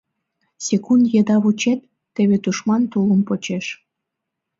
Секунд еда вучет: теве тушман тулым почеш.